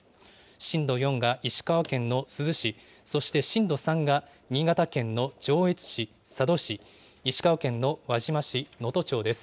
震度４が石川県の珠洲市、そして震度３が新潟県の上越市、佐渡市、石川県の輪島市、能登町です。